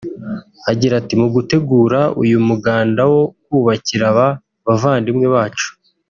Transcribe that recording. Agira ati “Mu gutegura uyu muganda wo kubakira aba bavandimwe bacu